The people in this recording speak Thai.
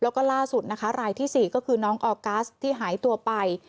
แล้วก็ล่าสุดนะคะรายที่๔ก็คือน้องออกัสที่หายตัวไป